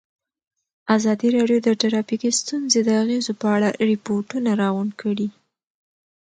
ازادي راډیو د ټرافیکي ستونزې د اغېزو په اړه ریپوټونه راغونډ کړي.